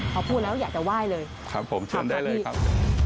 พอพูดแล้วอยากจะไหว้เลยครับผมทำได้ที่ครับ